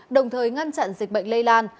đồng thời ngăn chặn dịch bệnh lây lan